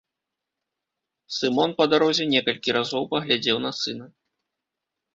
Сымон па дарозе некалькі разоў паглядзеў на сына.